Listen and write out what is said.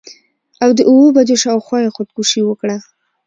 او د اووه بجو شا او خوا خودکشي وکړه.